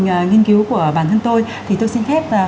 nhà nghiên cứu của bản thân tôi thì tôi xin phép